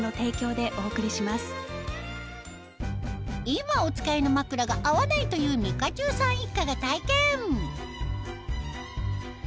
今お使いの枕が合わないというみかちゅうさん一家が体験！